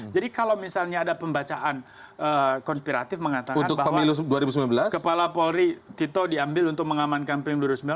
jadi kalau misalnya ada pembacaan konspiratif mengatakan bahwa kepala polri tito diambil untuk mengamankan pm dua ribu sembilan belas